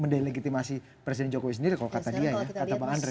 mendelegitimasi presiden jokowi sendiri kalau kata dia ya kata bang andre